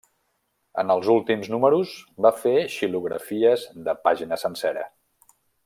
En els últims números va fer xilografies de pàgina sencera.